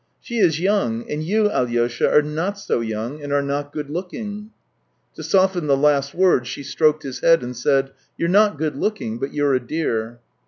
She is young, and you, Alyosha. are not so young, and are not good looking." To soften the last words, she stroked his head and said: " You're not good looking, but you're a dear."